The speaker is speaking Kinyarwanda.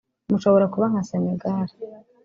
mushobora kuba nka Senegal